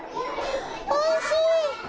おいしい！